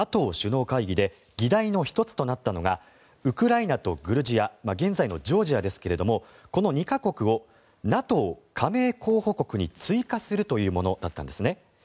ＮＡＴＯ首脳会議で議題の１つとなったのがウクライナとグルジア現在のジョージアですがこの２か国をＮＡＴＯ加盟候補国に追加するというものだったんです。